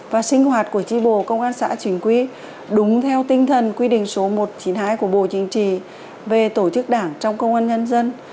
và sinh hoạt của tri bộ công an xã chính quy đúng theo tinh thần quy định số một trăm chín mươi hai của bộ chính trị về tổ chức đảng trong công an nhân dân